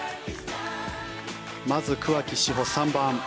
まず桑木志帆、３番。